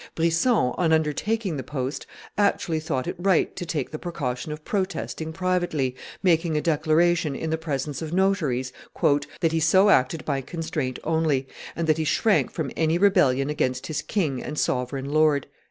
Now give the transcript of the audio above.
Brisson, on undertaking the post, actually thought it right to take the precaution of protesting privately, making a declaration in the presence of notaries "that he so acted by constraint only, and that he shrank from any rebellion against his king and sovereign lord."